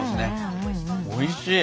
おいしい。